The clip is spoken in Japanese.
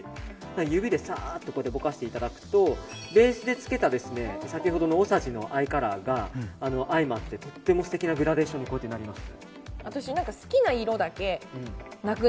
指でサーッとぼかしていただくとベースでつけた先ほどのＯＳＡＪＩのアイカラーが相まって、とても素敵なグラデーションになります。